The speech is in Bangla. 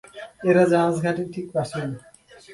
এটা জাহাজ ঘাটের ঠিক পাশেই।